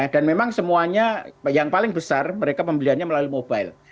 dan memang semuanya yang paling besar mereka pembeliannya melalui mobile